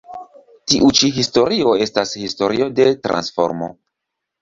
Tiu ĉi historio estas historio de transformo".